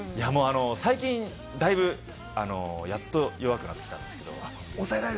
最近だいぶやっと弱くなってきたんですけれども。